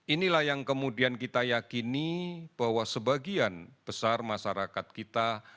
inilah yang kemudian kita yakini bahwa sebagian besar masyarakat kita